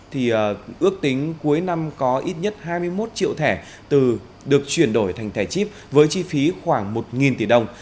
thì ước tính cuối năm có ít nhất hai mươi một triệu thẻ được chuyển đổi thành thẻ chip với chi phí khoảng một tỷ đồng